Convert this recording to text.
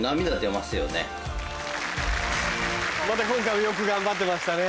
また今回もよく頑張ってましたね。